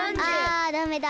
あダメだ。